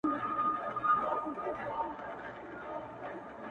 • څنگه به هغه له ياده وباسم ـ